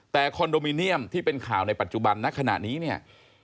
แต่คอนโดมิเนียมที่เป็นข่าวในปัจจุบันณขณะนี้เนี่ย